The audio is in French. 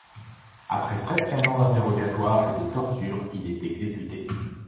Après presque un an d'interrogatoire et de torture, il est exécuté.